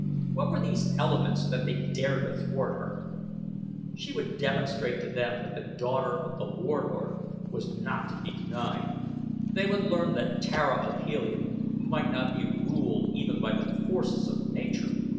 What were these elements that they dared to thwart her? She would demonstrate to them that the daughter of The Warlord was not to be denied! They would learn that Tara of Helium might not be ruled even by the forces of nature!